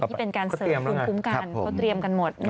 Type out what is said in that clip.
ที่เป็นการเสริมภูมิคุ้มกันเขาเตรียมกันหมด